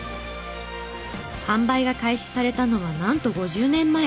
販売が開始されたのはなんと５０年前。